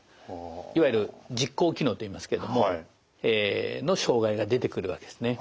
いわゆる実行機能といいますけどもええの障害が出てくるわけですね。